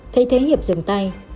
thay thế hiệp dừng tay